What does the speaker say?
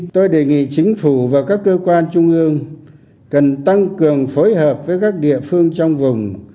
tôi đề nghị chính phủ và các cơ quan trung ương cần tăng cường phối hợp với các địa phương trong vùng